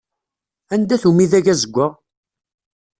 Anda-t umidag azeggaɣ?